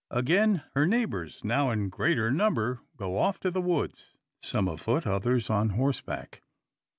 Again her neighbours, now in greater number, go off to the woods, some afoot, others on horseback.